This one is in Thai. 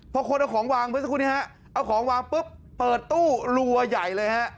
พอคนเอาของวางเอาของวางปุ๊บเปิดตู้รัวใหญ่เลย